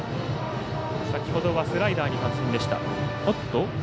先ほどはスライダーに三振でした。